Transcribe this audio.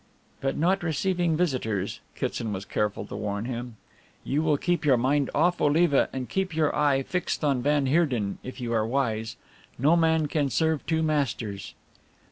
"But not receiving visitors," Kitson was careful to warn him. "You will keep your mind off Oliva and keep your eye fixed on van Heerden if you are wise. No man can serve two masters."